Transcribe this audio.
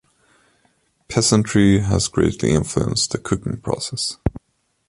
Peasantry has greatly influenced the cooking process.